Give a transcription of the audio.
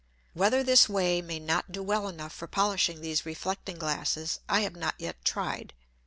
Whether this way may not do well enough for polishing these reflecting Glasses, I have not yet tried.